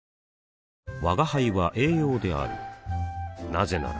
なぜなら